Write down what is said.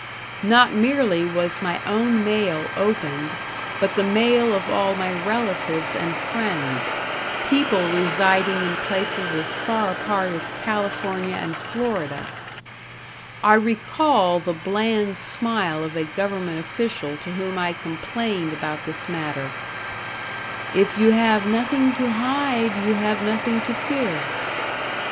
Not merely was my own mail opened, but the mail of all my relatives and friends people residing in places as far apart as California and Florida. I recall the bland smile of a government official to whom I complained about this matter: "If you have nothing to hide you have nothing to fear."